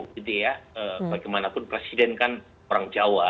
jadi ya bagaimanapun presiden kan orang jawa